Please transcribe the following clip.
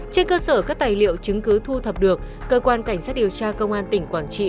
trên cơ sở các tài liệu chứng cứ thu thập được cơ quan cảnh sát điều tra công an tỉnh quảng trị